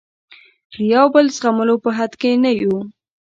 د یو بل زغملو په حد کې نه یو.